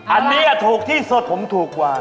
อันนี้ถูกที่สุดผมถูกกว่า